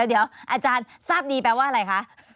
เดี๋ยวอาจารย์ทราบดีแปลว่าอะไรคะ